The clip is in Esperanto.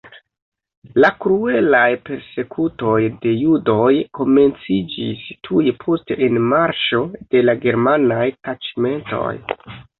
La kruelaj persekutoj de judoj komenciĝis tuj post enmarŝo de la germanaj taĉmentoj.